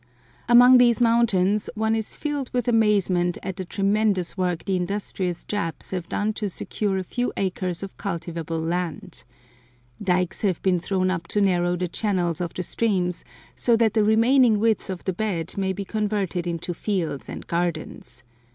Among these mountains one is filled with amazement at the tremendous work the industrious Japs have done to secure a few acres of cultivable land. Dikes have been thrown up to narrow the channels of the streams, so that the remaining width of the bed may be converted into fields and gardens.